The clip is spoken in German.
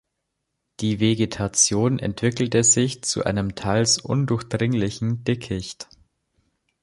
Die Vegetation entwickelte sich zu einem teils undurchdringlichen Dickicht.